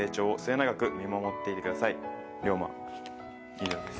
以上です。